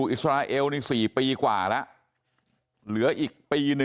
พวกมันกลับมาเมื่อเวลาที่สุดพวกมันกลับมาเมื่อเวลาที่สุด